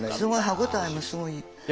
歯応えもすごいいい。